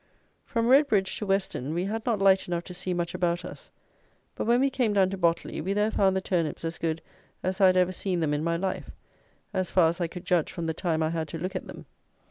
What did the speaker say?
From Redbridge to Weston, we had not light enough to see much about us; but when we came down to Botley, we there found the turnips as good as I had ever seen them in my life, as far I could judge from the time I had to look at them.